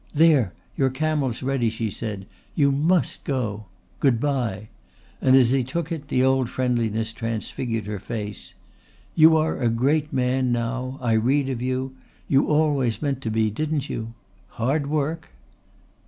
"There! Your camel's ready," she said. "You must go! Goodbye," and as he took it the old friendliness transfigured her face. "You are a great man now. I read of you. You always meant to be, didn't you? Hard work?"